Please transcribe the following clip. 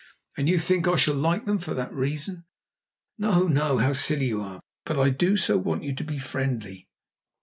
"And you think I shall like them for that reason?" "No, no. How silly you are. But I do so want you to be friendly."